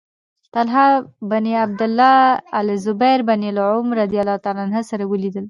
طلحة بن عبد الله او الزبير بن العوام رضي الله عنهما سره ولیدل